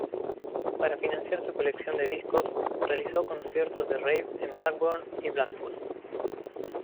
Para financiar su colección de discos, realizó conciertos de rave en Blackburn y Blackpool.